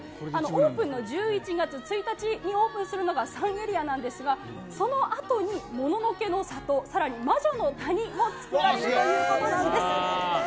オープンの１１月１日にオープンするのが３エリアなんですが、そのあとに、もののけのさと、さらに魔女の谷も作られるということなんです。